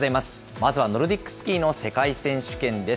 まずはノルディックスキーの世界選手権です。